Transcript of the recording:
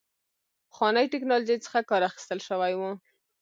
پخوانۍ ټکنالوژۍ څخه کار اخیستل شوی و.